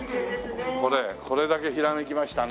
これこれだけひらめきましたね。